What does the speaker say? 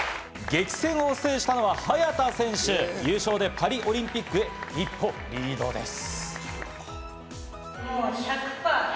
激戦を制したのは早田選手、優勝でパリオリンピック、一歩リードです。